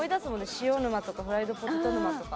塩沼とかフライドポテト沼とか。